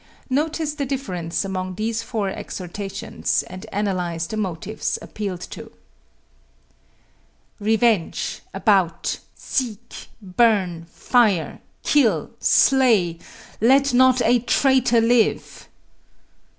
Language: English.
Notice the difference among these four exhortations, and analyze the motives appealed to: Revenge! About! Seek! Burn! Fire! Kill! Slay! Let not a traitor live!